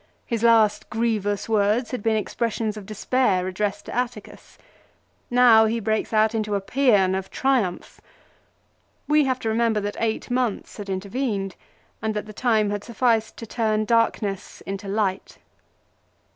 His last grievous words had been expressions of despair addressed to Atticus. Now he breaks out into a psean of triumph. We have to remember that eight months had intervened, and that the time had sufficed to turn darkness into light.